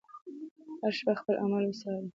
هره شپه خپل اعمال وڅارئ.